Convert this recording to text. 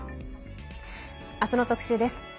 あすの特集です。